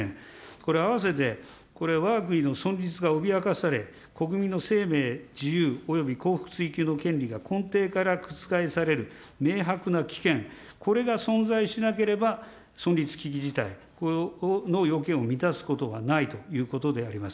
これ、合わせて、これ、わが国の存立が脅かされ、国民の生命、自由および幸福追求の権利が根底から覆される明白な危険、これが存在しなければ、存立危機事態の要件を満たすことがないということであります。